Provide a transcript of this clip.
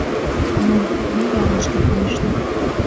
Ну, ме ялышке кайышна.